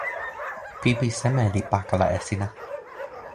pipi seme li pakala e sina?